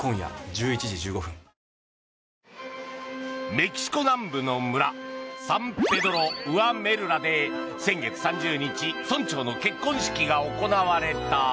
メキシコ南部の村サン・ペドロ・ウアメルラで先月３０日村長の結婚式が行われた。